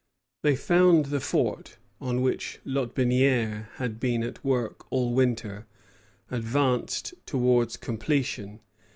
They found the fort, on which Lotbinière had been at work all winter, advanced towards completion.